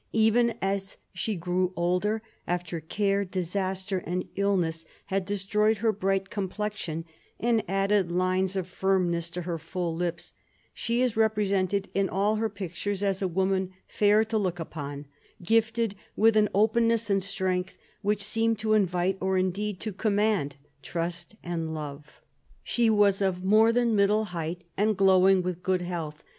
Even as she grew older, after care, disaster, and illness had destroyed her bright complexion and added lines of firmness to her full lips, she is represented in all her pictures as a woman fair to look upon, gifted with an openness and strength which seem to invite or indeed to command trust and love. rr ( 1758 65 DOMESTIC AFFAIRS 189 She was of more than middle height, and glowing with good health.